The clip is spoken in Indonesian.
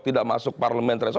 tidak masuk parlemen